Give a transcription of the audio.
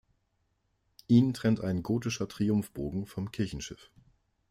Ihn trennt ein gotischer Triumphbogen vom Kirchenschiff.